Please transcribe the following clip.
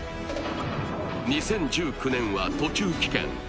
２０１９年は途中棄権。